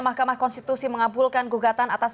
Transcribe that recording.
mahkamah konstitusi mengabulkan gugatan atas